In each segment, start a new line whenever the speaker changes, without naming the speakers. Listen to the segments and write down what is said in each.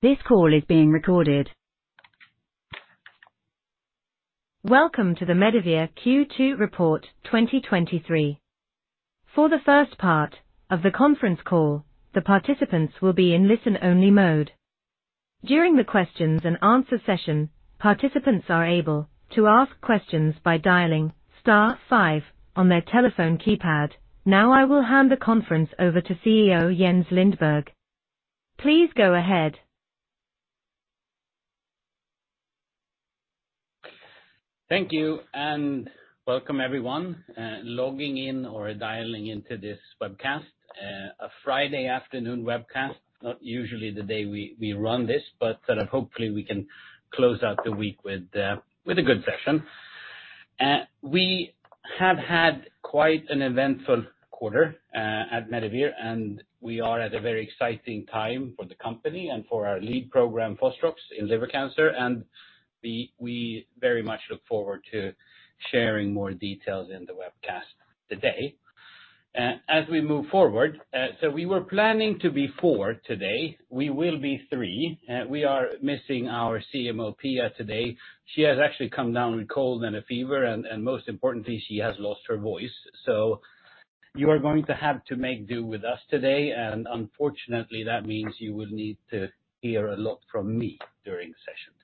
This call is being recorded. Welcome to the Medivir Q2 Report 2023. For the first part of the conference call, the participants will be in listen-only mode. During the questions and answer session, participants are able to ask questions by dialing star five on their telephone keypad. Now, I will hand the conference over to CEO Jens Lindberg. Please go ahead.
Thank you, welcome everyone, logging in or dialing into this webcast. A Friday afternoon webcast, not usually the day we run this, but sort of hopefully we can close out the week with a good session. We have had quite an eventful quarter at Medivir, and we are at a very exciting time for the company and for our lead program, Fostrox, in liver cancer, and we very much look forward to sharing more details in the webcast today. As we move forward, we were planning to be 4 today, we will be 3. We are missing our CMO, Pia, today. She has actually come down with a cold and a fever, and most importantly, she has lost her voice. You are going to have to make do with us today, and unfortunately, that means you will need to hear a lot from me during the session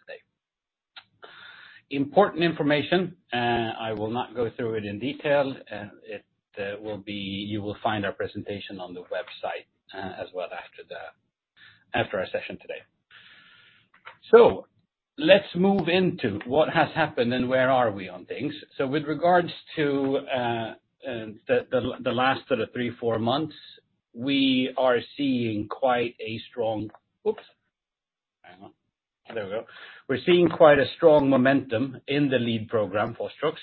today. Important information, I will not go through it in detail, it will be. You will find our presentation on the website as well after the after our session today. Let's move into what has happened and where are we on things. With regards to the last sort of three, four months, we are seeing quite a strong... Oops! Hang on. There we go. We're seeing quite a strong momentum in the lead program, Fostrox.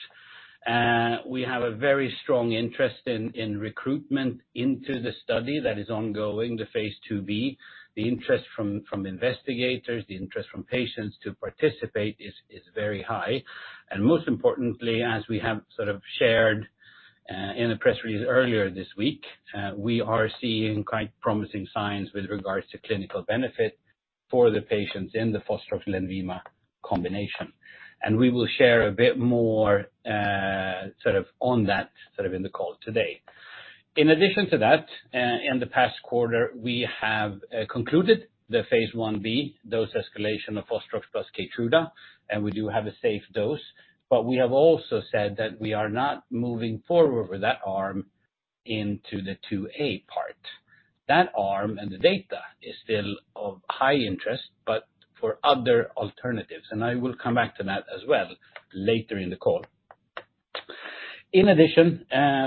We have a very strong interest in recruitment into the study that is ongoing, the Phase 2b. The interest from investigators, the interest from patients to participate is very high. Most importantly, as we have sort of shared, in the press release earlier this week, we are seeing quite promising signs with regards to clinical benefit for the patients in the Fostrox Lenvima combination. We will share a bit more, sort of on that, sort of in the call today. In addition to that, in the past quarter, we have concluded the Phase 1b dose escalation of Fostrox plus Keytruda, and we do have a safe dose, but we have also said that we are not moving forward with that arm into the 2a part. That arm, and the data is still of high interest, but for other alternatives, and I will come back to that as well later in the call. In addition,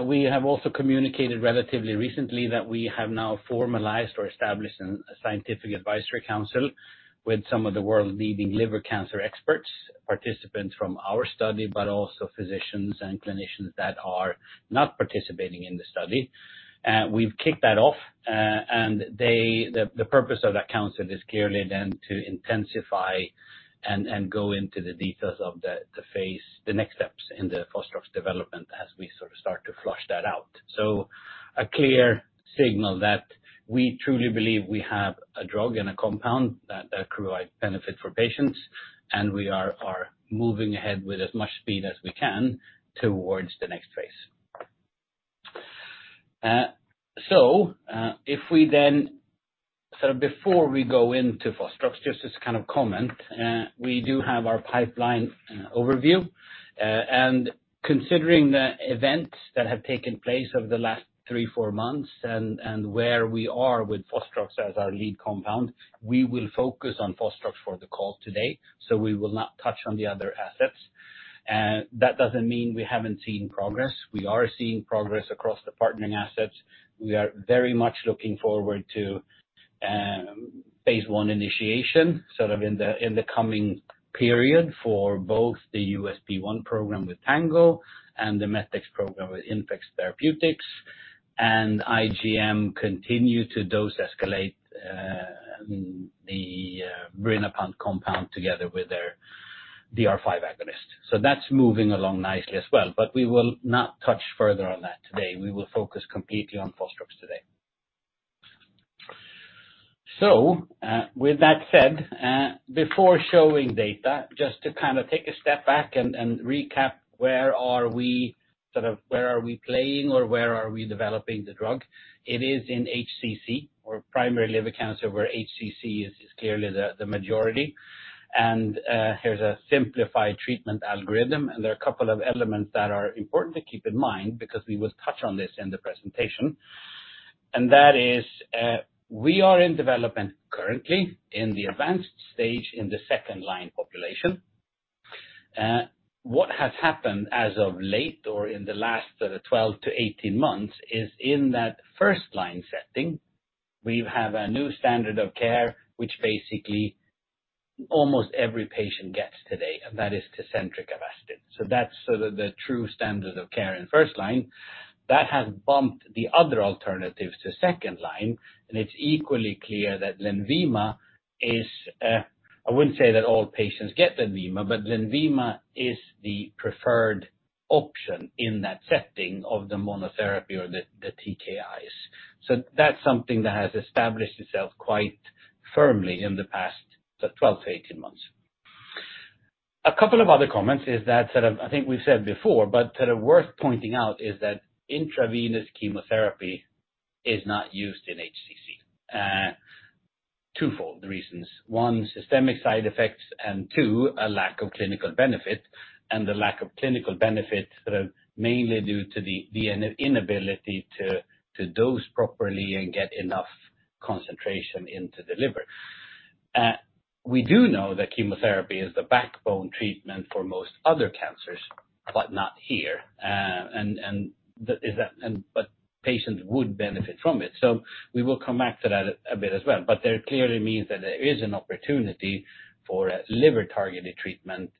we have also communicated relatively recently that we have now formalized or established an Scientific Advisory Council with some of the world's leading liver cancer experts, participants from our study, but also physicians and clinicians that are not participating in the study. We've kicked that off, The purpose of that council is clearly then to intensify and go into the details of the next steps in the Fostrox development as we sort of start to flush that out. A clear signal that we truly believe we have a drug and a compound that provide benefit for patients, and we are moving ahead with as much speed as we can towards the next phase. If we, sort of before we go into Fostrox, just as kind of comment, we do have our pipeline overview. Considering the events that have taken place over the last three, four months and where we are with Fostrox as our lead compound, we will focus on Fostrox for the call today, so we will not touch on the other assets. That doesn't mean we haven't seen progress. We are seeing progress across the partnering assets. We are very much looking forward to Phase I initiation, sort of in the coming period for both the USP1 program with Tango and the Metex program with INFEX Therapeutics. IGM continue to dose escalate the Rinapan compound together with their DR5 agonist. That's moving along nicely as well, but we will not touch further on that today. We will focus completely on Fostrox today. With that said, before showing data, just to kind of take a step back and, and recap, where are we, sort of, where are we playing or where are we developing the drug? It is in HCC or primary liver cancer, where HCC is, is clearly the, the majority. Here's a simplified treatment algorithm, and there are a couple of elements that are important to keep in mind because we will touch on this in the presentation. That is, we are in development currently in the advanced stage in the second-line population. What has happened as of late or in the last sort of 12 to 18 months, is in that first-line setting, we have a new standard of care, which basically almost every patient gets today, and that is Tecentriq Avastin. That's sort of the true standard of care in first-line. That has bumped the other alternatives to second-line, and it's equally clear that Lenvima is, I wouldn't say that all patients get Lenvima, but Lenvima is the preferred-... option in that setting of the monotherapy or the, the TKIs. That's something that has established itself quite firmly in the past 12 to 18 months. A couple of other comments is that sort of, I think we've said before, but sort of worth pointing out, is that intravenous chemotherapy is not used in HCC. Twofold the reasons. 1, systemic side effects, and 2, a lack of clinical benefit, and the lack of clinical benefit sort of mainly due to the inability to dose properly and get enough concentration into the liver. We do know that chemotherapy is the backbone treatment for most other cancers, but not here. Patients would benefit from it, so we will come back to that a bit as well. That clearly means that there is an opportunity for a liver-targeted treatment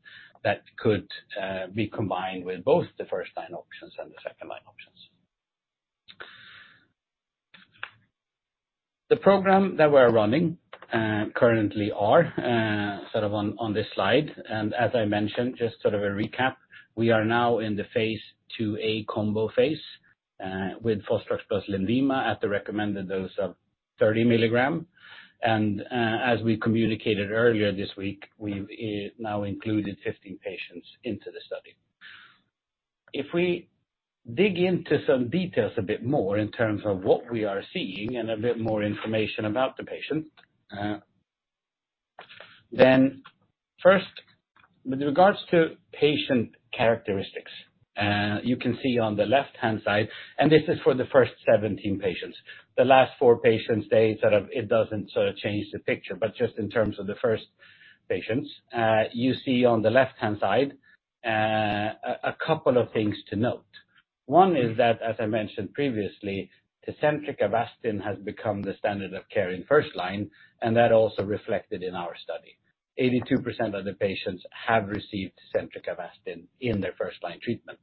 that could be combined with both the first-line options and the second-line options. The program that we're running currently are sort of on, on this slide. As I mentioned, just sort of a recap, we are now in the Phase IIa combo Phase with Fostrox plus Lenvima at the recommended dose of 30 milligrams. As we communicated earlier this week, we've now included 15 patients into the study. If we dig into some details a bit more in terms of what we are seeing and a bit more information about the patient, first, with regards to patient characteristics, you can see on the left-hand side, and this is for the first 17 patients. The last 4 patients, they sort of... It doesn't sort of change the picture, but just in terms of the first patients, you see on the left-hand side a couple of things to note. One is that, as I mentioned previously, Tecentriq Avastin has become the standard of care in first line, that also reflected in our study. 82% of the patients have received Tecentriq Avastin in their first-line treatment.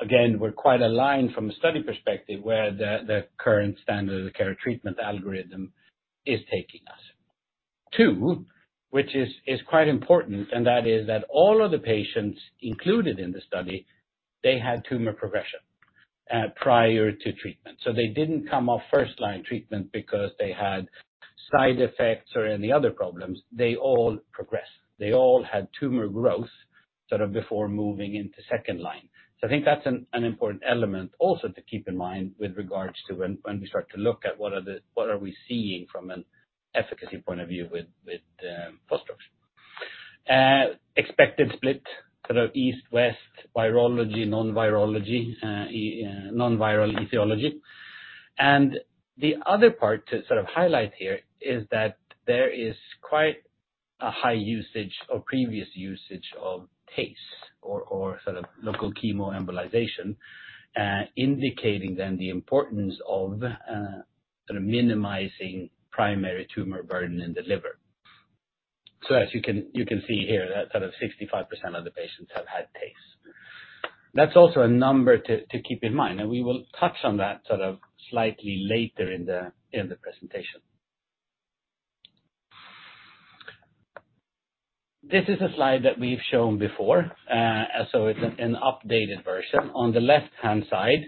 Again, we're quite aligned from a study perspective, where the current standard of care treatment algorithm is taking us. Two, which is quite important, that is that all of the patients included in the study, they had tumor progression prior to treatment. They didn't come off first-line treatment because they had side effects or any other problems. They all progressed. They all had tumor growth, sort of before moving into second line. I think that's an, an important element also to keep in mind with regards to when, when we start to look at what are the- what are we seeing from an efficacy point of view with, with Fostrox. Expected split, sort of East-West, virology, non-virology, non-viral etiology. The other part to sort of highlight here is that there is quite a high usage or previous usage of TACE or, or sort of local chemoembolization, indicating then the importance of sort of minimizing primary tumor burden in the liver. As you can, you can see here, that sort of 65% of the patients have had TACE. That's also a number to, to keep in mind, and we will touch on that sort of slightly later in the, in the presentation. This is a slide that we've shown before, so it's an updated version. On the left-hand side,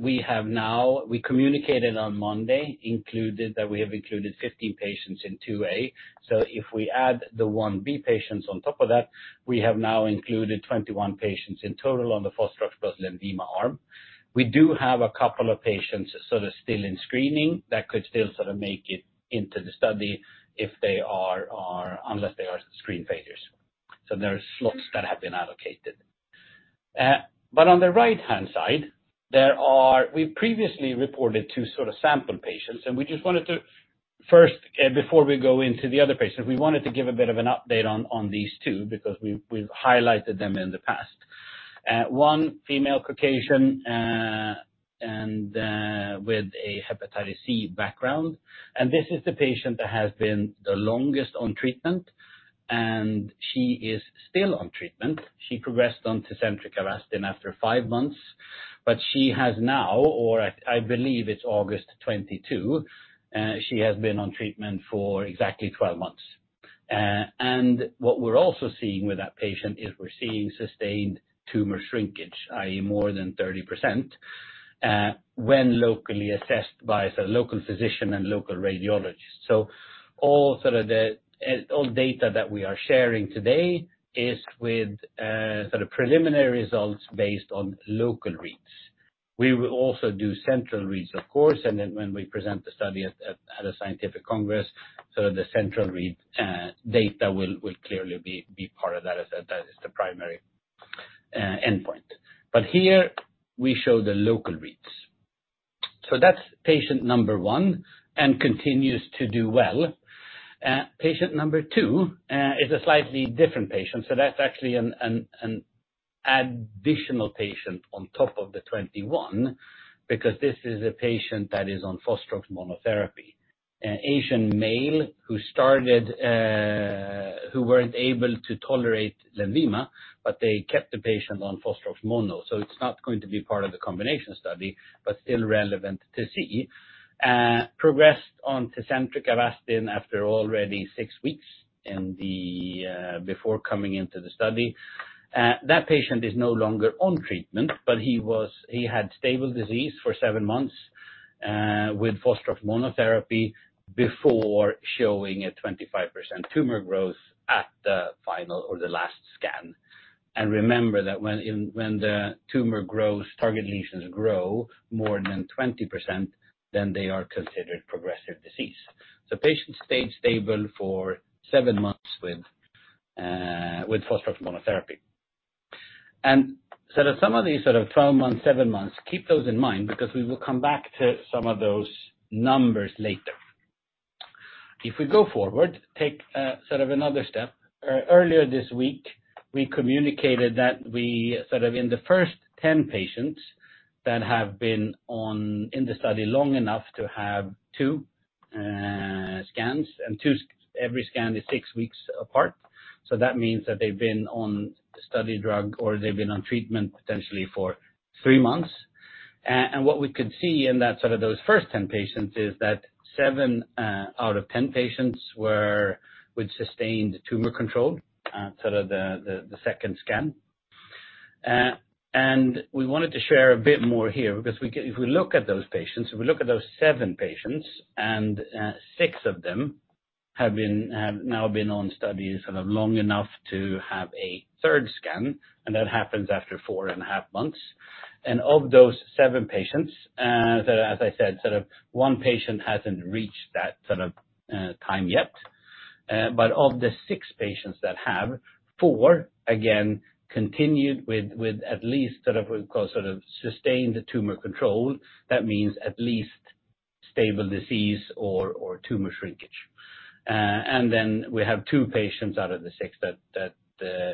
we have now, we communicated on Monday, included, that we have included 15 patients in Phase IIa. If we add the Phase Ib patients on top of that, we have now included 21 patients in total on the Fostrox plus Lenvima arm. We do have a couple of patients sort of still in screening that could still sort of make it into the study if they are, unless they are screen failures. There are slots that have been allocated. On the right-hand side, we previously reported two sort of sample patients, and we just wanted to, first, before we go into the other patients, we wanted to give a bit of an update on, on these two, because we've, we've highlighted them in the past. One female Caucasian, and with a hepatitis C background, and this is the patient that has been the longest on treatment, and she is still on treatment. She progressed on Tecentriq Avastin after 5 months, but she has now, or I, I believe it's August 22, she has been on treatment for exactly 12 months. What we're also seeing with that patient is we're seeing sustained tumor shrinkage, i.e., more than 30%, when locally assessed by a local physician and local radiologist. All sort of the, all data that we are sharing today is with, sort of preliminary results based on local reads. We will also do central reads, of course, and then when we present the study at, at, at a scientific congress, sort of the central read, data will, will clearly be, be part of that, as that is the primary, endpoint. Here we show the local reads. That's patient number 1 and continues to do well. Patient number 2, is a slightly different patient, so that's actually an, an, an additional patient on top of the 21, because this is a patient that is on Fostrox monotherapy. An Asian male who started... Who weren't able to tolerate Lenvima, but they kept the patient on Fostrox mono, so it's not going to be part of the combination study, but still relevant to see. Progressed on Tecentriq Avastin after already 6 weeks in the before coming into the study. That patient is no longer on treatment, but he had stable disease for 7 months with Fostrox monotherapy before showing a 25% tumor growth at the final or the last scan. Remember that when the tumor grows, target lesions grow more than 20%, then they are considered progressive disease. The patient stayed stable for 7 months with Fostrox monotherapy. So some of these sort of 12 months, 7 months, keep those in mind because we will come back to some of those numbers later. If we go forward, take, sort of another step. Earlier this week, we communicated that we sort of in the first 10 patients that have been in the study long enough to have two scans and two. Every scan is six weeks apart. That means that they've been on the study drug, or they've been on treatment potentially for three months. What we could see in that sort of those first 10 patients is that seven out of 10 patients were with sustained tumor control, sort of the second scan. We wanted to share a bit more here because if we look at those patients, if we look at those seven patients, and six of them have now been on study sort of long enough to have a third scan, and that happens after 4.5 months. Of those seven patients, as I said, sort of one patient hasn't reached that sort of time yet. Of the six patients that have, four, again, continued with at least sort of, we call sort of sustained tumor control. That means at least stable disease or tumor shrinkage. Then we have two patients out of the six that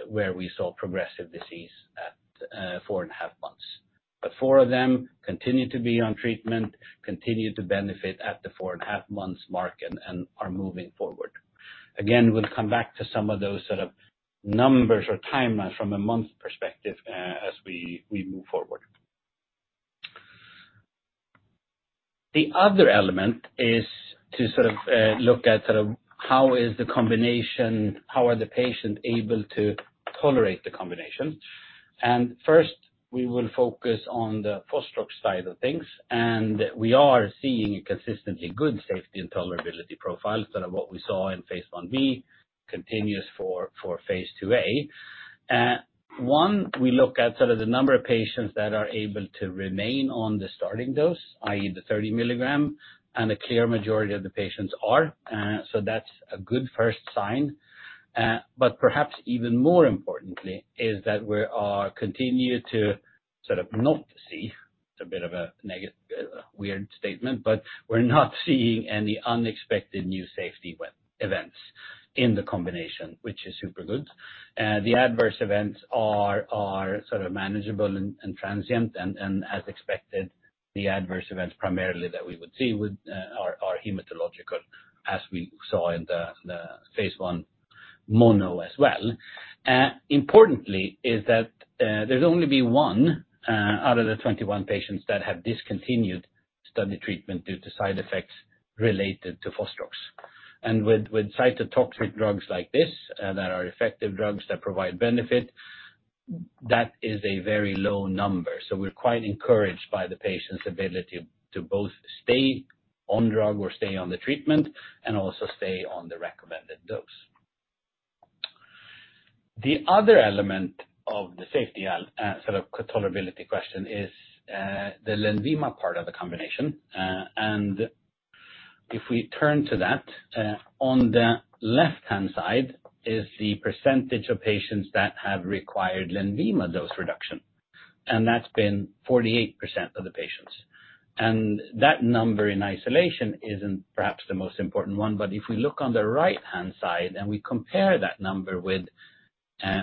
where we saw progressive disease at 4.5 months. Four of them continue to be on treatment, continue to benefit at the 4.5 months mark and, and are moving forward. Again, we'll come back to some of those sort of numbers or timelines from a month perspective, as we, we move forward. The other element is to sort of, look at sort of how is the combination, how are the patient able to tolerate the combination? First, we will focus on the Fostrox side of things, and we are seeing a consistently good safety and tolerability profile, sort of what we saw in Phase Ib continues for, for Phase IIa. One, we look at sort of the number of patients that are able to remain on the starting dose, i.e. the 30 mg, and a clear majority of the patients are. So that's a good first sign. Perhaps even more importantly, is that we are continue to sort of not see, it's a bit of a weird statement, but we're not seeing any unexpected new safety events in the combination, which is super good. The adverse events are, are sort of manageable and, and transient, and, and as expected, the adverse events primarily that we would see would are, are hematological, as we saw in the Phase I mono as well. Importantly, is that there's only been 1 out of the 21 patients that have discontinued study treatment due to side effects related to Fostrox. With, with cytotoxic drugs like this, that are effective drugs that provide benefit, that is a very low number. We're quite encouraged by the patient's ability to both stay on drug or stay on the treatment and also stay on the recommended dose. The other element of the safety, sort of tolerability question is the Lenvima part of the combination. If we turn to that, on the left-hand side is the percentage of patients that have required Lenvima dose reduction, and that's been 48% of the patients. That number in isolation isn't perhaps the most important one, but if we look on the right-hand side and we compare that number with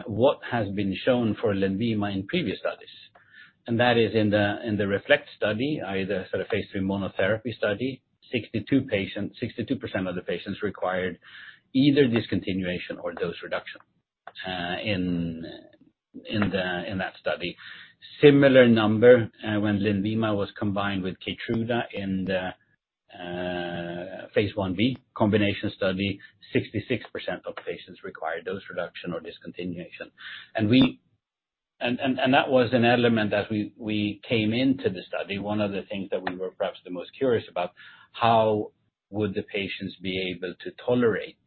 what has been shown for Lenvima in previous studies, and that is in the Reflect study, i.e. the sort of Phase III monotherapy study, 62 patients -- 62% of the patients required either discontinuation or dose reduction in that study. Similar number, when Lenvima was combined with Keytruda in the Phase Ib combination study, 66% of patients required dose reduction or discontinuation. That was an element that we came into the study. One of the things that we were perhaps the most curious about, how would the patients be able to tolerate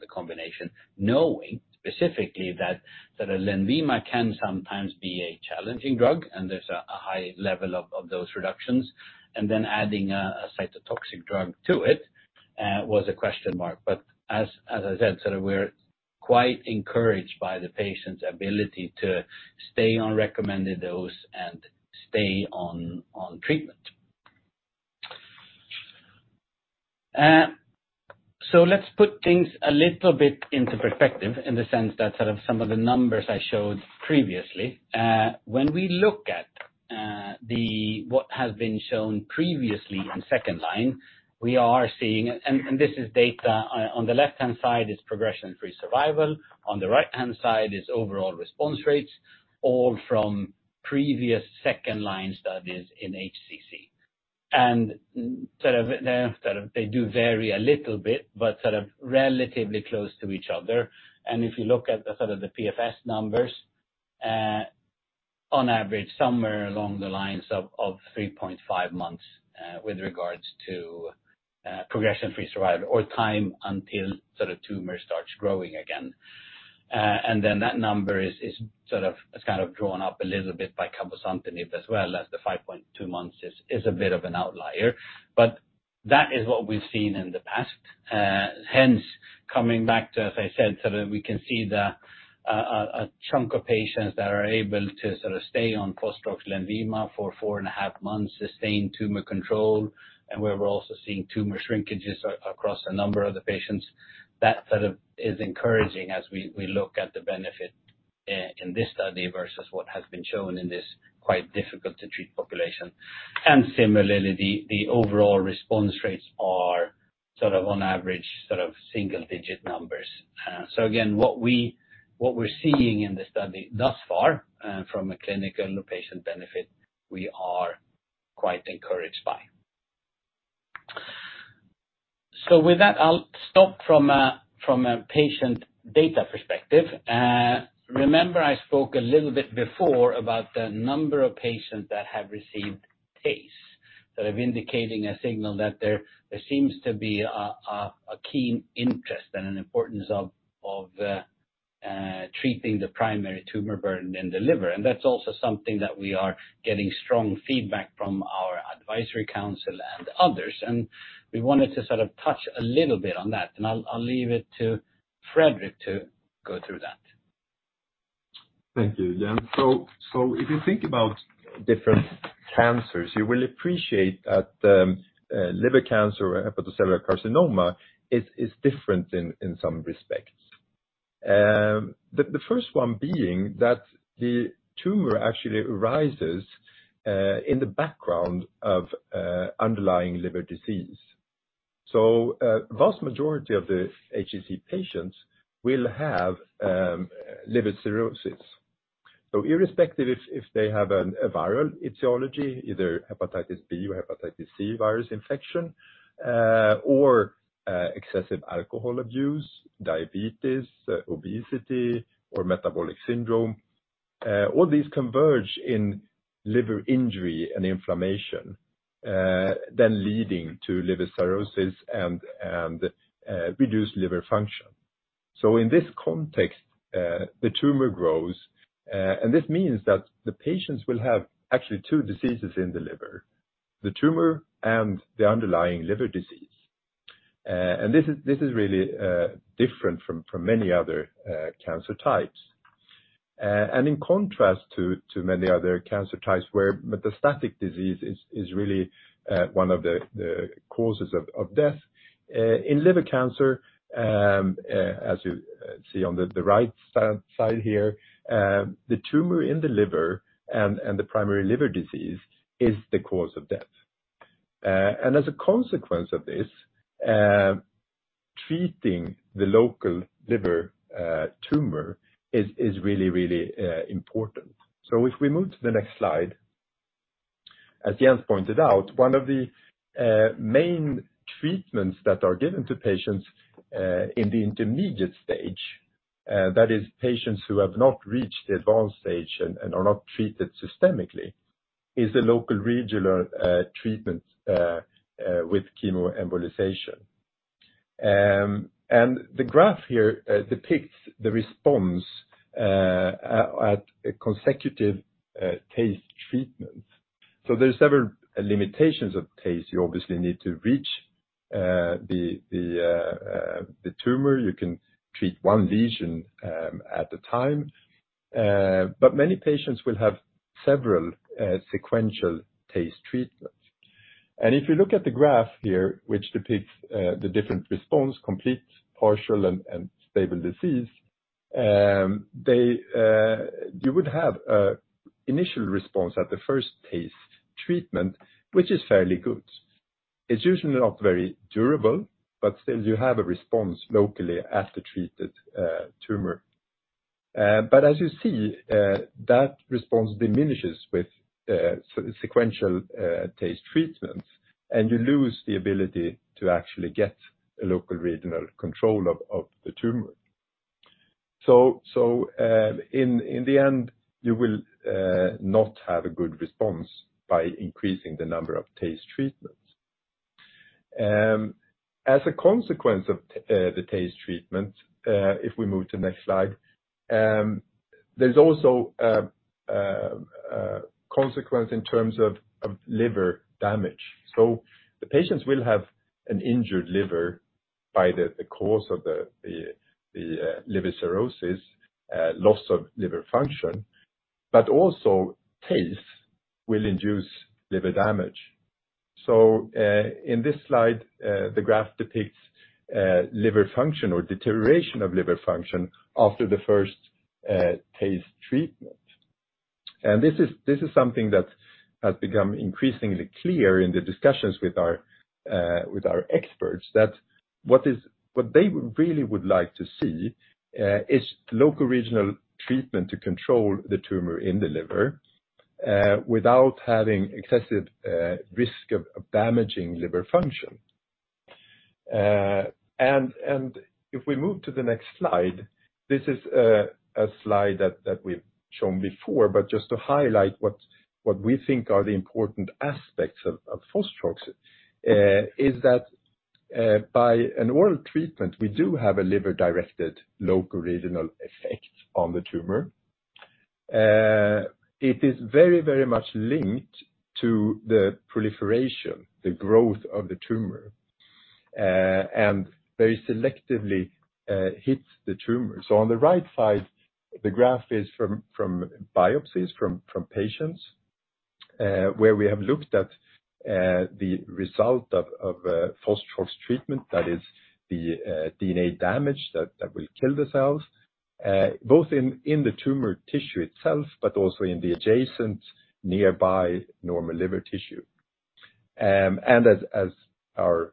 the combination, knowing specifically that Lenvima can sometimes be a challenging drug and there's a high level of those reductions, and then adding a cytotoxic drug to it, was a question mark. As I said, sort of we're quite encouraged by the patient's ability to stay on recommended dose and stay on treatment. Let's put things a little bit into perspective in the sense that sort of some of the numbers I showed previously. When we look at what has been shown previously in second line, we are seeing. This is data, on the left-hand side is Progression-Free Survival, on the right-hand side is Overall Response Rates, all from previous second-line studies in HCC. Sort of they do vary a little bit, but sort of relatively close to each other. If you look at the sort of the PFS numbers on average, somewhere along the lines of, of 3.5 months, with regards to Progression-Free Survival or time until sort of tumor starts growing again. Then that number is, is sort of, it's kind of drawn up a little bit by cabozantinib as well, as the 5.2 months is, is a bit of an outlier. That is what we've seen in the past. Hence, coming back to, as I said, sort of we can see the, a chunk of patients that are able to sort of stay on fostrox + Lenvima for 4.5 months, sustain tumor control, and where we're also seeing tumor shrinkages across a number of the patients. That sort of is encouraging as we, we look at the benefit, in this study versus what has been shown in this quite difficult-to-treat population. Similarly, the Overall Response Rates are sort of on average, sort of single-digit numbers. Again, what we're seeing in the study thus far, from a clinical patient benefit, we are quite encouraged by. With that, I'll stop from a, from a patient data perspective. Remember, I spoke a little bit before about the number of patients that have received TACE, that are indicating a signal that there, there seems to be a, a, a keen interest and an importance of, of, treating the primary tumor burden in the liver. That's also something that we are getting strong feedback from our advisory council and others, and we wanted to sort of touch a little bit on that. I'll, I'll leave it to Fredrik to go through that.
Thank you, Jens. So if you think about different cancers, you will appreciate that liver cancer or hepatocellular carcinoma is different in some respects. The first one being that the tumor actually arises in the background of underlying liver disease. Vast majority of the HCC patients will have liver cirrhosis. Irrespective if they have an a viral etiology, either hepatitis B or hepatitis C virus infection, or excessive alcohol abuse, diabetes, obesity, or metabolic syndrome, all these converge in liver injury and inflammation, then leading to liver cirrhosis and reduced liver function. In this context, the tumor grows, and this means that the patients will have actually two diseases in the liver: the tumor and the underlying liver disease. This is, this is really, different from, from many other, cancer types. In contrast to, to many other cancer types where metastatic disease is, is really, one of the, the causes of, of death, in liver cancer, as you, see on the, the right side here, the tumor in the liver and, and the primary liver disease is the cause of death. As a consequence of this, treating the local liver, tumor is, is really, really, important. If we move to the next slide. As Jens pointed out, one of the, main treatments that are given to patients, in the intermediate stage, that is, patients who have not reached the advanced stage and, and are not treated systemically, is the local regional, treatment, with chemoembolization. The graph here depicts the response at consecutive TACE treatments. There are several limitations of TACE. You obviously need to reach the tumor. You can treat one lesion at a time, but many patients will have several sequential TACE treatments. If you look at the graph here, which depicts the different response, complete, partial, and stable disease, they, you would have a initial response at the first TACE treatment, which is fairly good. It's usually not very durable, but still you have a response locally at the treated tumor. But as you see, that response diminishes with sequential TACE treatments, and you lose the ability to actually get a local regional control of the tumor. In the end, you will not have a good response by increasing the number of TACE treatments. As a consequence of the TACE treatment, if we move to the next slide, there's also a consequence in terms of, of liver damage. The patients will have an injured liver by the course of the liver cirrhosis, loss of liver function, but also TACE will induce liver damage. In this slide, the graph depicts liver function or deterioration of liver function after the first TACE treatment. This is, this is something that has become increasingly clear in the discussions with our, with our experts, that what they would really would like to see is local regional treatment to control the tumor in the liver, without having excessive risk of damaging liver function. If we move to the next slide, this is a slide that, that we've shown before, but just to highlight what, what we think are the important aspects of Fostrox, is that by an oral treatment, we do have a liver-directed, local regional effect on the tumor. It is very, very much linked to the proliferation, the growth of the tumor, and very selectively hits the tumor. On the right side, the graph is from, from biopsies from, from patients, where we have looked at the result of, of fostrox treatment, that is the DNA damage that, that will kill the cells, both in, in the tumor tissue itself, but also in the adjacent nearby normal liver tissue. And as, as our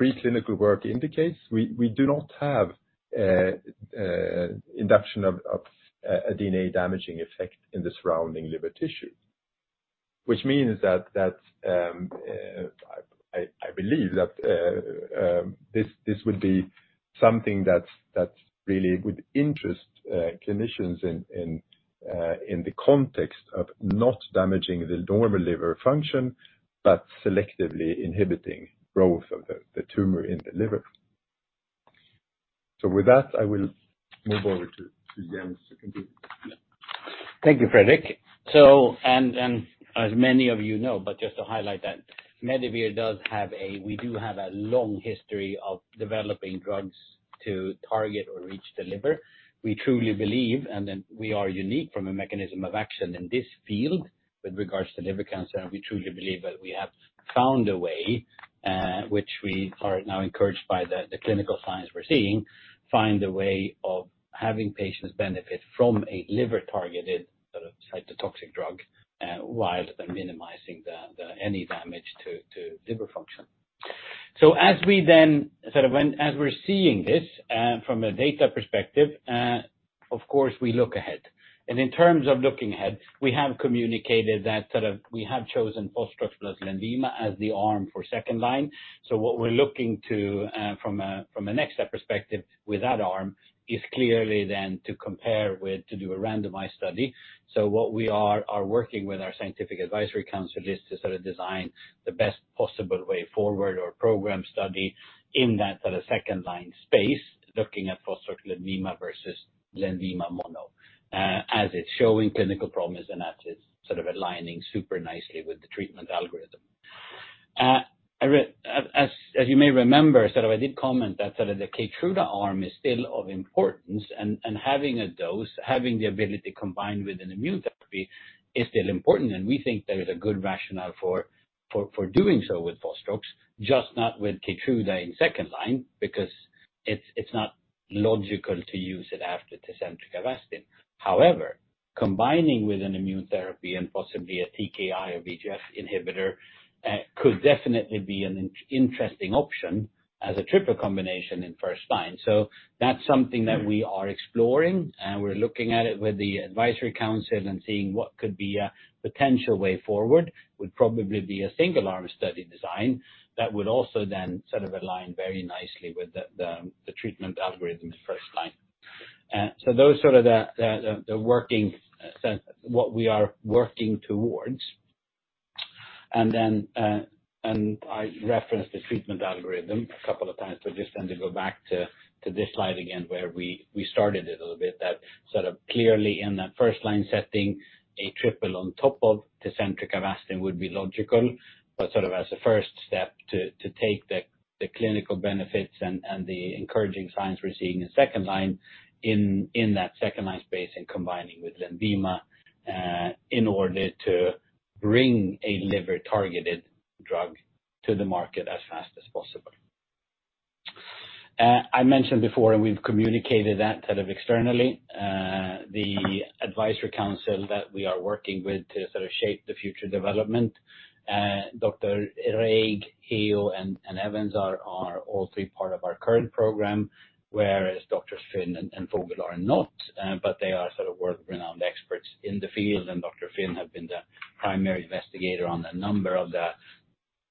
preclinical work indicates, we, we do not have induction of, of a DNA damaging effect in the surrounding liver tissue, which means that, that I, I believe that this, this would be something that, that really would interest clinicians in, in the context of not damaging the normal liver function, but selectively inhibiting growth of the, the tumor in the liver. With that, I will move over to, to Jens's conclusion.
Thank you, Fredrik. As many of you know, but just to highlight that Medivir does have we do have a long history of developing drugs to target or reach the liver. We truly believe, and then we are unique from a mechanism of action in this field with regards to liver cancer, and we truly believe that we have found a way, which we are now encouraged by the, the clinical signs we're seeing, find a way of having patients benefit from a liver-targeted sort of cytotoxic drug, while minimizing the, any damage to, to liver function. As we then, sort of as we're seeing this, from a data perspective, of course, we look ahead. In terms of looking ahead, we have communicated that sort of, we have chosen Fostrox plus Lenvima as the arm for second line. What we're looking to, from a, from a next step perspective with that arm, is clearly then to compare with, to do a randomized study. What we are, are working with our Scientific Advisory Council, is to sort of design the best possible way forward or program study in that sort of second line space, looking at Fostrox Lenvima versus Lenvima mono, as it's showing clinical promise and as it's sort of aligning super nicely with the treatment algorithm. I as, as you may remember, sort of I did comment that sort of the Keytruda arm is still of importance, and having a dose, having the ability to combine with an immune therapy is still important, and we think there is a good rationale for doing so with Fostrox, just not with Keytruda in second line, because it's, it's not logical to use it after Tecentriq Avastin. However, combining with an immune therapy and possibly a TKI or VEGF inhibitor, could definitely be an interesting option as a triple combination in first line. That's something that we are exploring, and we're looking at it with the advisory council and seeing what could be a potential way forward, would probably be a single-arm study design that would also then sort of align very nicely with the, the, the treatment algorithm first line. Those are the, the, the, the working, sort of what we are working towards. I referenced the treatment algorithm a couple of times, but just then to go back to, to this slide again, where we, we started it a little bit, that sort of clearly in that first line setting, a triple on top of Tecentriq Avastin would be logical. Sort of as a first step to, to take the, the clinical benefits and, and the encouraging signs we're seeing in second-line in, in that second-line space and combining with Lenvima, in order to bring a liver-targeted drug to the market as fast as possible. I mentioned before, and we've communicated that sort of externally, the advisory council that we are working with to sort of shape the future development, Dr. Reig, Heo, and, and Evans are, are all three part of our current program, whereas Dr. Finn and, and Vogel are not, but they are sort of world-renowned experts in the field, and Dr. Finn have been the primary investigator on a number of the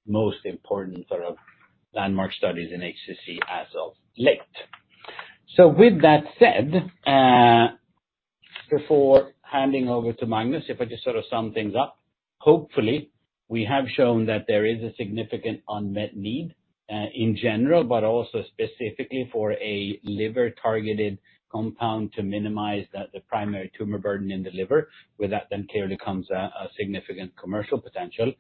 most important sort of landmark studies in HCC as of late. With that said, before handing over to Magnus, if I just sort of sum things up, hopefully, we have shown that there is a significant unmet need, in general, but also specifically for a liver-targeted compound, to minimize the, the primary tumor burden in the liver. With that clearly comes a, a significant commercial potential.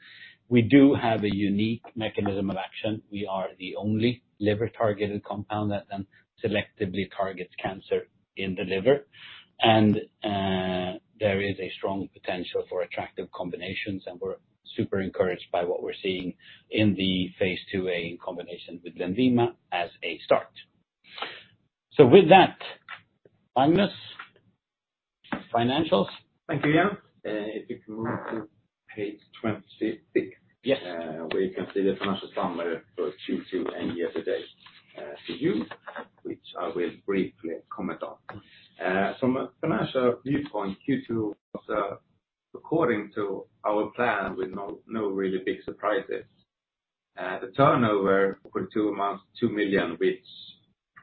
We do have a unique mechanism of action. We are the only liver-targeted compound that then selectively targets cancer in the liver. There is a strong potential for attractive combinations, and we're super encouraged by what we're seeing in the Phase IIa in combination with Lenvima as a start. With that, Magnus, financials?
Thank you, Jan. If you can move to page 26.
Yes.
Where you can see the financial summary for Q2, and year to date, to you.
which I will briefly comment on. From a financial viewpoint, Q2 was, according to our plan, with no, no really big surprises. The turnover for 2 months, 2 million, which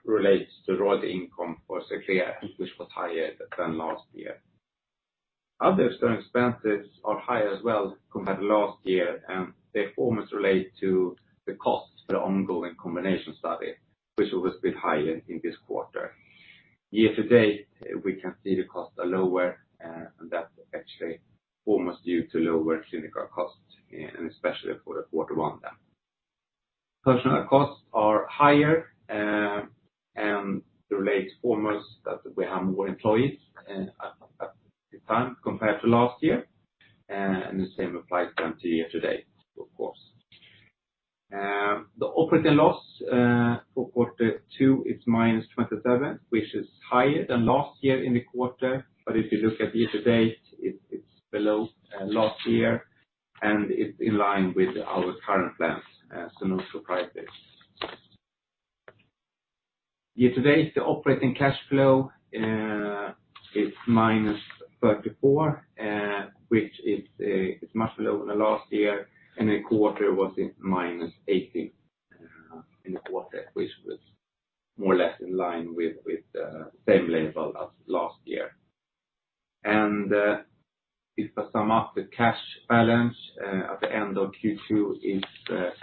relates to royalty income for Xerclear which was higher than last year. Other expenses are higher as well compared to last year, and they almost relate to the costs for the ongoing combination study, which was a bit higher in this quarter. Year to date, we can see the costs are lower, and that's actually almost due to lower clinical costs, and especially for Q1. Personal costs are higher, and relates almost that we have more employees, at, at the time compared to last year, and the same applies to them to year to date, of course. The operating loss for Q2 is minus 27, which is higher than last year in the quarter, but if you look at year to date, it's below last year. It's in line with our current plans, no surprises. Year to date, the operating cash flow is minus 34, which is much lower than last year. The quarter was in minus SEK 18 in the quarter, which was more or less in line with same level as last year. If I sum up the cash balance at the end of Q2 is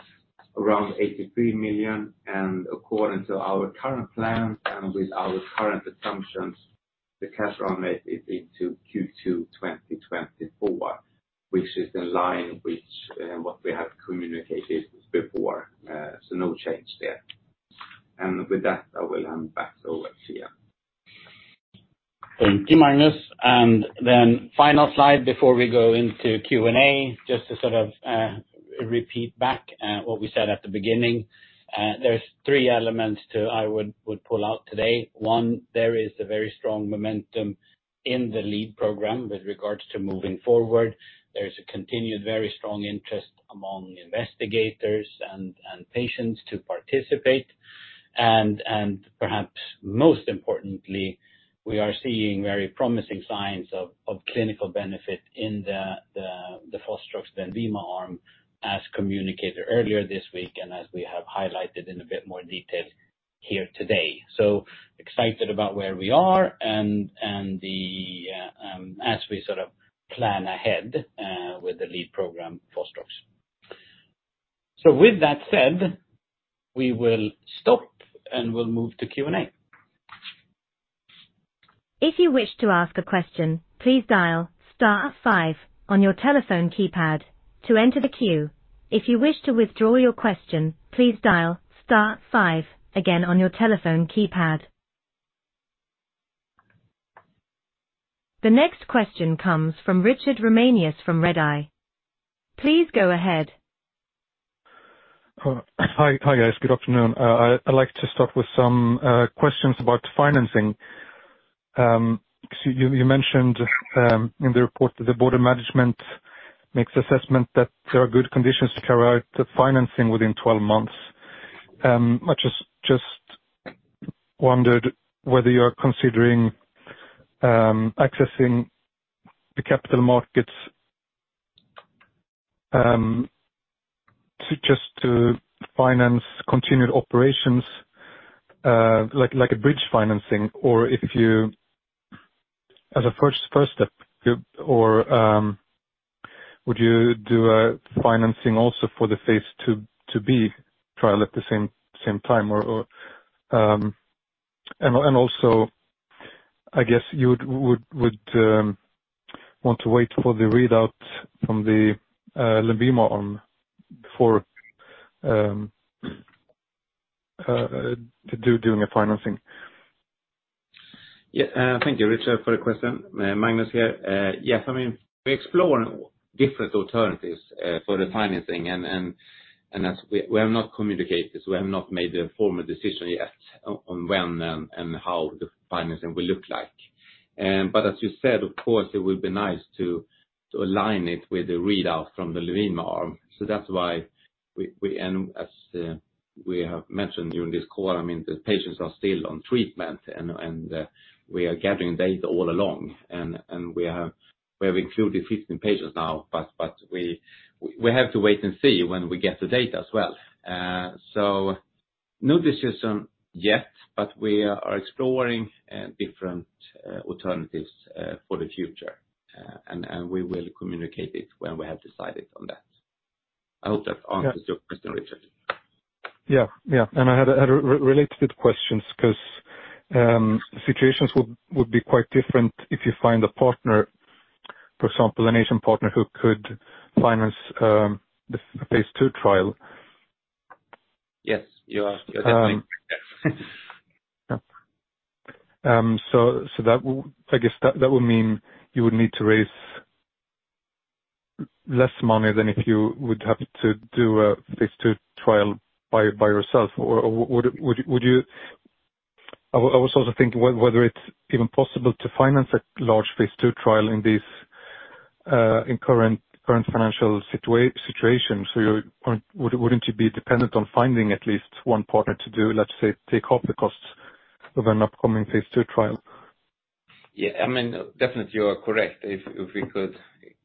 around SEK 83 million. According to our current plan and with our current assumptions, the cash run rate is into Q2 2024, which is in line with what we have communicated before. No change there. With that, I will hand back over to you.
Thank you, Magnus. Then final slide before we go into Q&A, just to sort of repeat back what we said at the beginning. There's three elements to... I would pull out today. One, there is a very strong momentum in the lead program with regards to moving forward. There's a continued very strong interest among investigators and patients to participate. Perhaps most importantly, we are seeing very promising signs of clinical benefit in the Fostrox Lenvima arm, as communicated earlier this week, and as we have highlighted in a bit more detail here today. Excited about where we are and the as we sort of plan ahead with the lead program Fostrox. With that said, we will stop, and we'll move to Q&A.
If you wish to ask a question, please dial star 5 on your telephone keypad to enter the queue. If you wish to withdraw your question, please dial star 5 again on your telephone keypad. The next question comes from Richard Romanus from Redeye. Please go ahead.
Hi, hi, guys. Good afternoon. I'd like to start with some questions about financing. So you, you mentioned in the report that the board of management makes assessment that there are good conditions to carry out the financing within 12 months. I just, just wondered whether you're considering accessing the capital markets to just to finance continued operations, like, like a bridge financing, or if you as a first, first step, or would you do a financing also for the Phase II, 2B trial at the same, same time, or, or? Also, I guess you would, would, would want to wait for the readout from the Lenvima before to do, doing a financing.
Yeah. Thank you, Richard, for the question. Magnus here. Yes, I mean, we explore different alternatives for the financing and, and, and as we have not communicated this, we have not made a formal decision yet on, on when and, and how the financing will look like. As you said, of course, it would be nice to, to align it with the readout from the Lenvima arm. That's why we, we and as we have mentioned during this call, I mean, the patients are still on treatment, and, and we are gathering data all along, and, and we have included 15 patients now, but, but we, we have to wait and see when we get the data as well. No decision yet, but we are exploring different alternatives for the future. And we will communicate it when we have decided on that. I hope that answers your question, Richard.
Yeah. Yeah, I had a related questions, because situations would be quite different if you find a partner, for example, an Asian partner, who could finance the Phase II trial.
Yes, you are definitely.
I guess, that will mean you would need to raise less money than if you would have to do a Phase II trial by yourself, or would you? I was also thinking whether it's even possible to finance a large Phase II trial in this, in current financial situation. Wouldn't you be dependent on finding at least one partner to do, let's say, take half the costs of an upcoming Phase II trial?
Yeah, I mean, definitely you are correct. If, if we could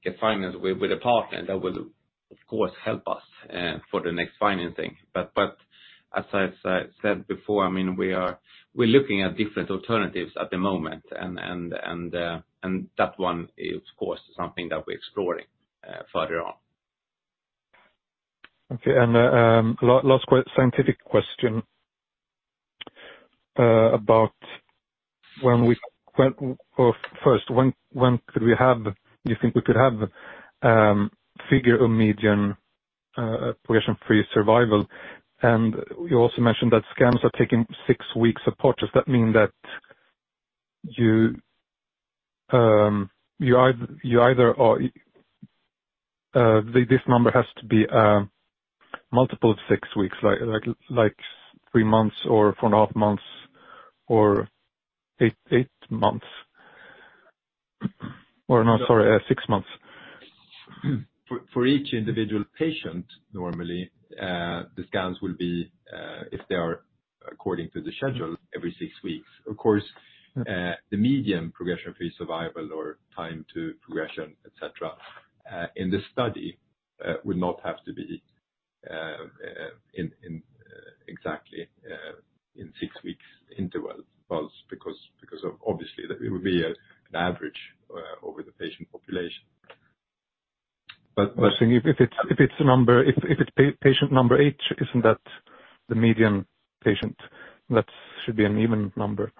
get financed with, with a partner, that would, of course, help us for the next financing. As I've said before, I mean, we're looking at different alternatives at the moment, and that one is, of course, something that we're exploring further on.
Okay. Last scientific question, first, when, when could we have... You think we could have figure a median progression-free survival? You also mentioned that scans are taking six weeks apart. Does that mean that you, you either, you either, or this number has to be multiple of six weeks, three months or four and a half months or eight, eight months? Or no, sorry, six months.
For each individual patient, normally, the scans will be, if they are according to the schedule, every six weeks. Of course.
Mm-hmm.
the median progression-free survival or time to progression, et cetera, in this study, would not have to be exactly in 6 weeks intervals, because of obviously it would be an average, over the patient population.
if it's patient number H, isn't that the median patient? That should be an even number.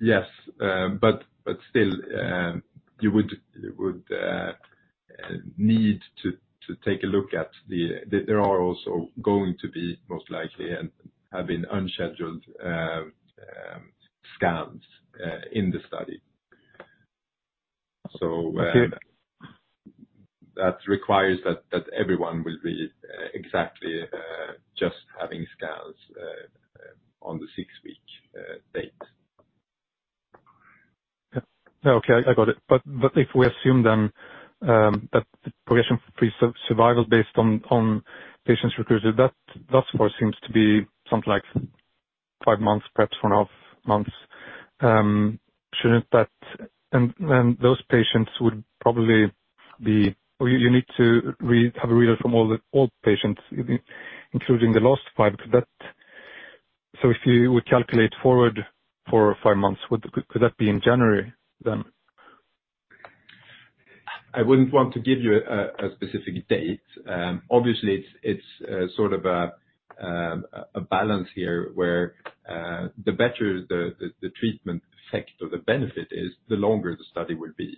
Yes. But still, you would need to take a look at there are also going to be, most likely, and have been unscheduled, scans, in the study.
Okay.
That requires that, that everyone will be, exactly, just having scans, on the six-week, date.
Yeah. Okay, I got it. If we assume then, that the progression-free survival based on, on patients recruited, that thus far seems to be something like five months, perhaps four and a half months. Shouldn't that... Those patients would probably or you need to have a reader from all the, all patients, including the last 5, because that... If you would calculate forward four or five months, could that be in January then?
I wouldn't want to give you a, a specific date. Obviously, it's sort of a, a balance here, where, the better the, the, the treatment effect or the benefit is, the longer the study will be.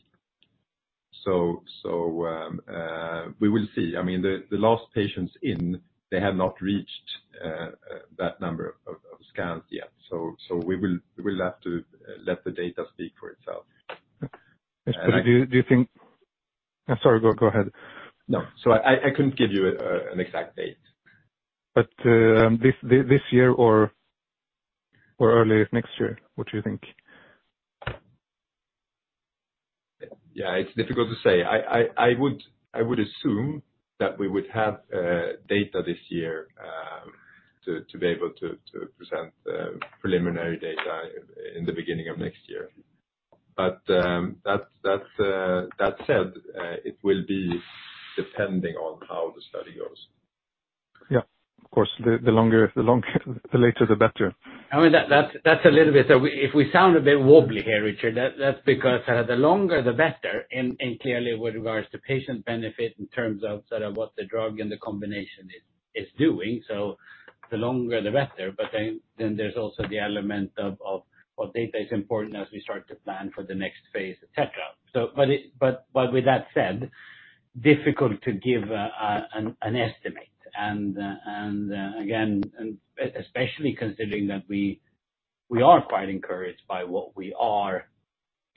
We will see. I mean, the, the last patients in, they have not reached that number of, of scans yet. We'll have to let the data speak for itself.
Do you think... I'm sorry. Go, go ahead.
No. I, I couldn't give you an exact date.
This, this year or, or early next year, what do you think?
Yeah, it's difficult to say. I would assume that we would have data this year to be able to present the preliminary data in the beginning of next year. That said, it will be depending on how the study goes.
Yeah, of course, the, the longer, the later, the better.
I mean that, that's a little bit... If we sound a bit wobbly here, Richard, that's because the longer, the better, and, and clearly with regards to patient benefit in terms of sort of what the drug and the combination is, is doing, so the longer, the better. Then, then there's also the element of, of, well, data is important as we start to plan for the next Phase, et cetera. But, but with that said, difficult to give an, an estimate. And, again, and especially considering that we, we are quite encouraged by what we are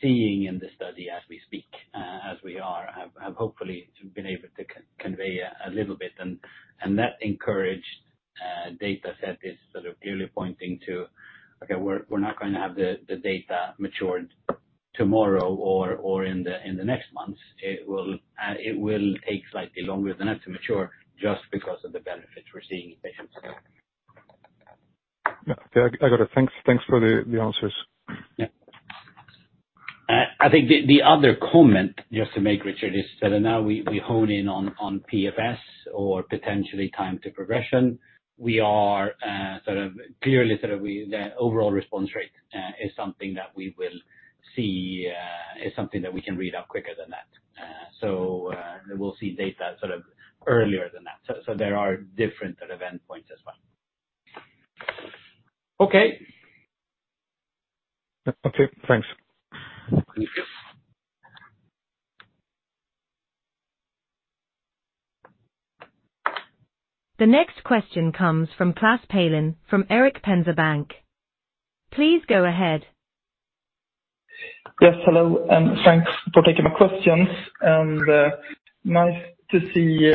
seeing in the study as we speak, as we are, have, have hopefully been able to convey a little bit. That encouraged data set is sort of clearly pointing to, okay, we're, we're not going to have the, the data matured tomorrow or, or in the, in the next months. It will, it will take slightly longer than that to mature just because of the benefits we're seeing in patients.
Yeah, I got it. Thanks, thanks for the, the answers.
Yeah. I think the other comment just to make, Richard, is that now we, we hone in on, on PFS or potentially Time to Progression. We are, sort of clearly, the Overall Response Rate is something that we will see, is something that we can read out quicker than that. We'll see data sort of earlier than that. There are different sort of end points as well.
Okay. Okay, thanks.
Thank you.
The next question comes from Klas Palin, from Erik Penser Bank. Please go ahead.
Yes, hello, and thanks for taking my questions. Nice to see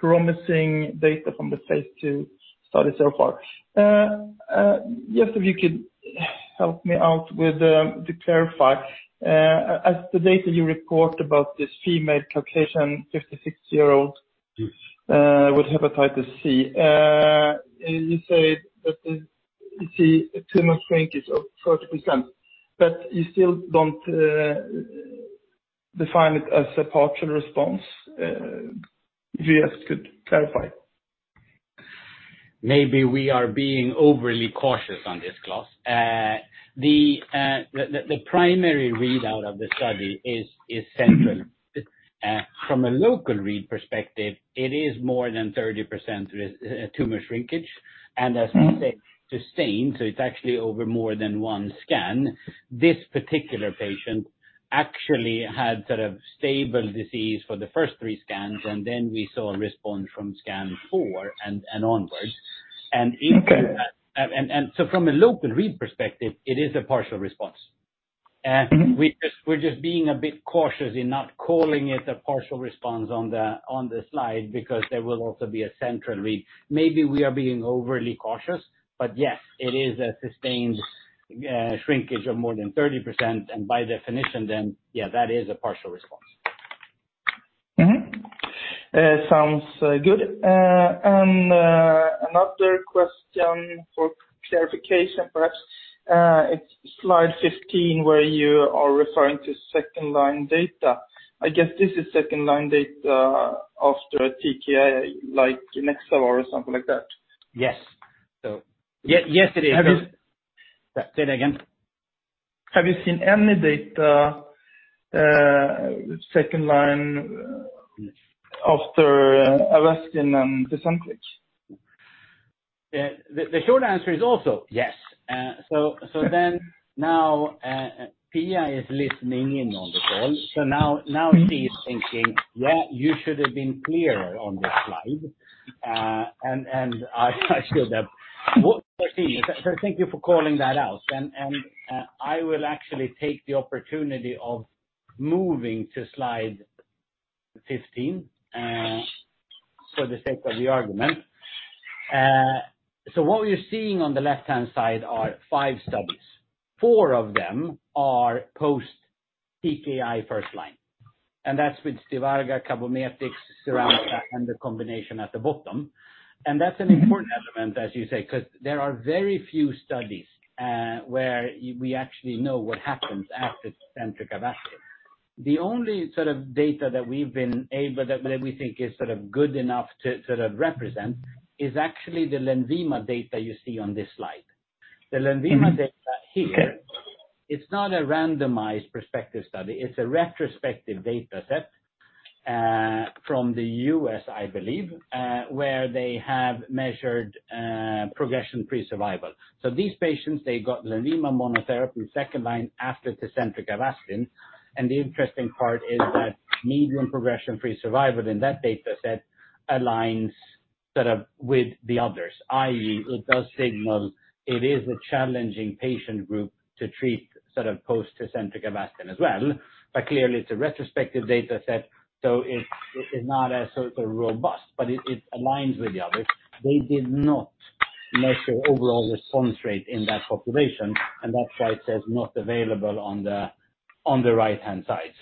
promising data from the Phase II study so far. Just if you could... Help me out with to clarify. As the data you report about this female Caucasian, 56-year-old.
Yes.
With hepatitis C. You say that, you see a tumor shrinkage of 30%, but you still don't define it as a partial response. If you just could clarify?
Maybe we are being overly cautious on this, Klas. The primary readout of the study is central. From a local read perspective, it is more than 30% tumor shrinkage. As we say, sustained, so it's actually over more than one scan. This particular patient actually had sort of stable disease for the first three scans, and then we saw a response from scan four and onwards.
Mm-hmm.
From a local read perspective, it is a partial response.
Mm-hmm.
We just -- we're just being a bit cautious in not calling it a partial response on the, on the slide, because there will also be a central read. Maybe we are being overly cautious, but yes, it is a sustained shrinkage of more than 30%, and by definition then, yeah, that is a partial response.
Sounds good. Another question for clarification, perhaps. It's slide 15 where you are referring to second-line data. I guess this is second-line data after a TKI, like Nexavar or something like that.
Yes. Yes, it is.
Have you-
Say that again?
Have you seen any data, second line after Avastin and Avastin?
The short answer is also yes. So then now, Pia is listening in on the call. Now she's thinking, "Yeah, you should have been clearer on this slide." And I should have. Well, thank you for calling that out. I will actually take the opportunity of moving to slide 15 for the sake of the argument. What you're seeing on the left-hand side are 5 studies. 4 of them are post-TKI first-line, and that's with Stivarga, Cabometyx, Cyramza, and the combination at the bottom. That's an important element, as you say, 'cause there are very few studies where we actually know what happens after Tecentriq Avastin. The only sort of data that we've been able, that we think is sort of good enough to, sort of represent, is actually the Lenvima data you see on this slide.
Mm-hmm.
The Lenvima data here, it's not a randomized prospective study. It's a retrospective data set from the U.S., I believe, where they have measured Progression-Free Survival. These patients, they got Lenvima monotherapy, second-line after Tecentriq Avastin. The interesting part is that median Progression-Free Survival in that data set aligns sort of with the others, i.e., it does signal it is a challenging patient group to treat sort of post Tecentriq Avastin as well. Clearly, it's a retrospective data set, so it's, it's not as sort of robust, but it, it aligns with the others. They did not measure Overall Response Rate in that population, and that's why it says not available on the right-hand side.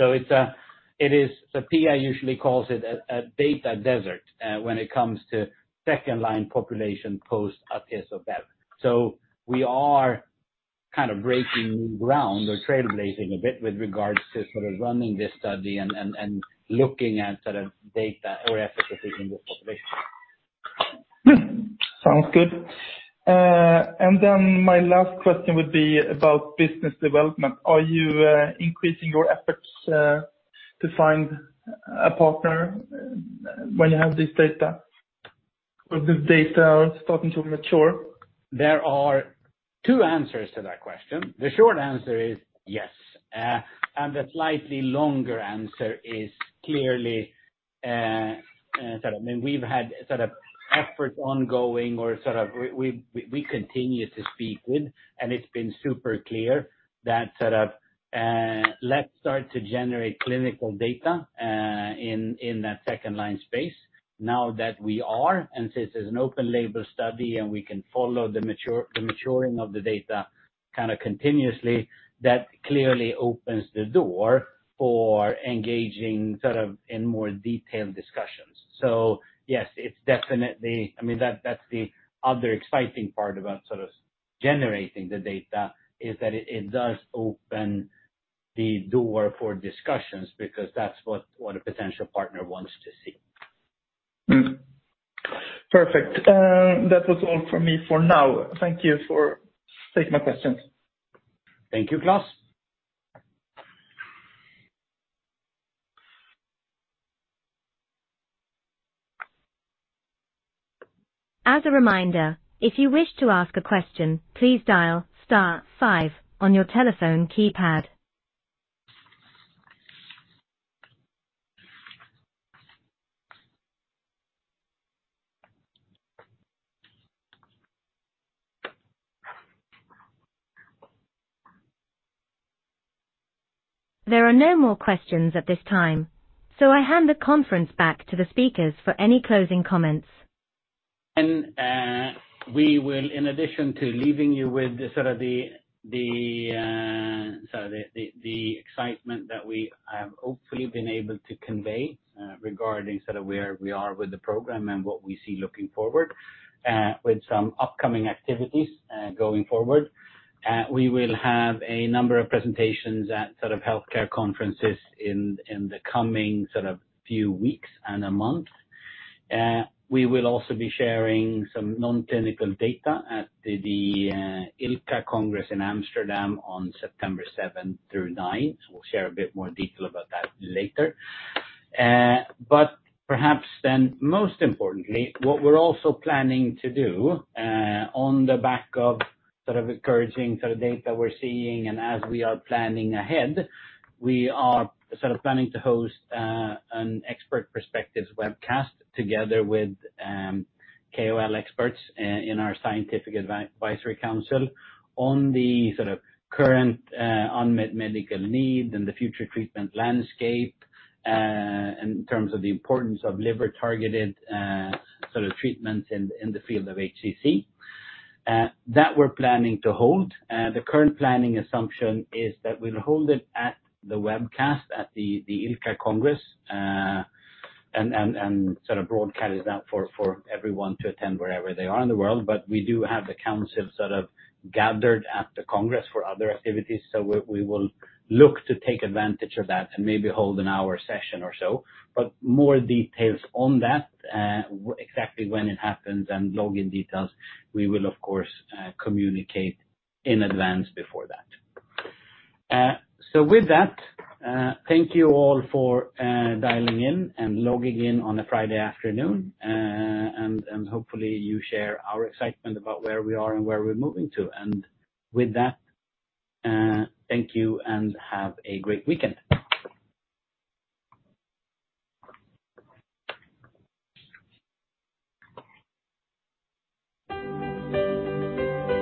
It is, so Pia usually calls it a data desert when it comes to second-line population post Atezolbev. we are kind of breaking new ground or trailblazing a bit with regards to sort of running this study and, and, and looking at sort of data or efficacy in this population.
sounds good. Then my last question would be about business development. Are you increasing your efforts to find a partner when you have this data, or the data are starting to mature?
There are two answers to that question. The short answer is yes. The slightly longer answer is clearly, sort of I mean, we've had sort of efforts ongoing or sort of we, we, we continue to speak with, and it's been super clear that sort of, let's start to generate clinical data, in, in that second line space. Now that we are, and since there's an open label study and we can follow the maturing of the data kind of continuously, that clearly opens the door for engaging sort of in more detailed discussions. Yes, it's definitely... I mean, that, that's the other exciting part about sort of generating the data, is that it, it does open the door for discussions, because that's what, what a potential partner wants to see.
Perfect. That was all for me for now. Thank you for taking my questions.
Thank you, Klas.
As a reminder, if you wish to ask a question, please dial star five on your telephone keypad. There are no more questions at this time, I hand the conference back to the speakers for any closing comments.
we will, in addition to leaving you with sort of the, the, sort of the, the, the excitement that we have hopefully been able to convey, regarding sort of where we are with the program and what we see looking forward, with some upcoming activities, going forward. we will have a number of presentations at sort of healthcare conferences in, in the coming sort of few weeks and a month. we will also be sharing some non-clinical data at the ILCA Congress in Amsterdam on September 7th through 9th. We'll share a bit more detail about that later. Perhaps then, most importantly, what we're also planning to do, on the back of sort of encouraging sort of data we're seeing and as we are planning ahead, we are sort of planning to host an expert perspectives webcast together with KOL experts in our Scientific Advisory Council on the sort of current unmet medical need and the future treatment landscape in terms of the importance of liver-targeted sort of treatments in the field of HCC. That we're planning to hold. The current planning assumption is that we'll hold it at the webcast at the, the ILCA Congress, and, and, and sort of broadcast it out for, for everyone to attend wherever they are in the world. We do have the council sort of gathered at the congress for other activities, so we will look to take advantage of that and maybe hold an hour session or so. More details on that, exactly when it happens and login details, we will of course, communicate in advance before that. With that, thank you all for dialing in and logging in on a Friday afternoon. Hopefully you share our excitement about where we are and where we're moving to. With that, thank you and have a great weekend.